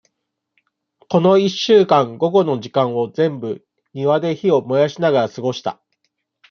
この一週間、午後の時間を全部、庭で火を燃やしながら過ごした。